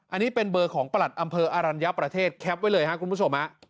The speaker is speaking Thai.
อันนี้เป็นเบอร์ของประหลัดอำเภออรัญญาประเทศแคปไว้เลยครับคุณผู้ชมฮะ